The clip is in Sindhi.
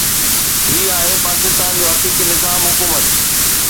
هي آهي پاڪستان جو حقيقي نظام حڪومت.